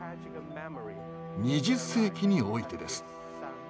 ２０世紀においてです。